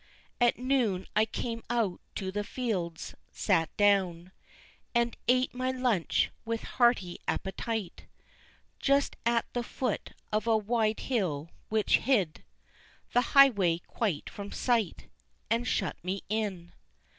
At noon I came out to the fields, sat down And ate my lunch with hearty appetite, Just at the foot of a wide hill which hid The highway quite from sight, and shut me in.